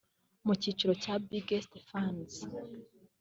Mu cyiciro cya Biggest Fans